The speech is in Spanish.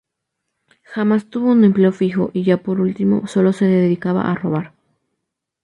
Jamás tuvo un empleo fijo y ya por último sólo se dedicaba a robar.